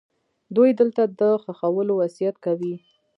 دوی دلته د ښخولو وصیت کوي.